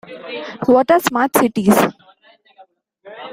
What are Smart Cities?